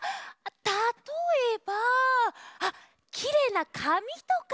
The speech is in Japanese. たとえばあっきれいなかみとか。